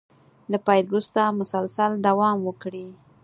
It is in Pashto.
له پيل وروسته مسلسل دوام وکړي.